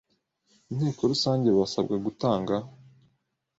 inteko rusange Basabwa gutanga